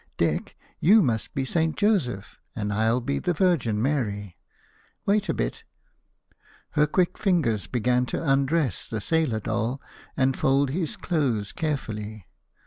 Dick, you must be Saint Joseph, and I'll be the Virgin Mary. Wait a bit " Her quick fingers began to undress the sailor doll and fold his clothes carefully.